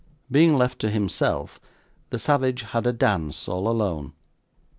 Being left to himself, the savage had a dance, all alone.